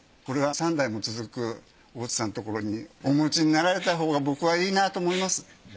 これは３代も続く大津さんのところにお持ちになられたほうが僕はいいなと思います。